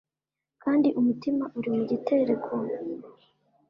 kandi umutima uri mu gitereko.